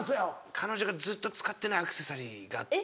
彼女がずっと使ってないアクセサリーがあって。